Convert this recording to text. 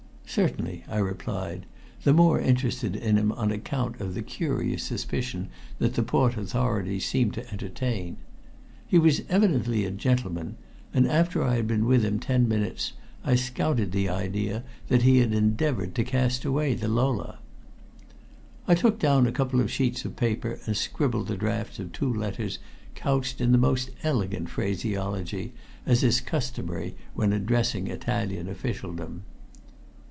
"Certainly," I replied, the more interested in him on account of the curious suspicion that the port authorities seemed to entertain. He was evidently a gentleman, and after I had been with him ten minutes I scouted the idea that he had endeavored to cast away the Lola. I took down a couple of sheets of paper and scribbled the drafts of two letters couched in the most elegant phraseology, as is customary when addressing Italian officialdom.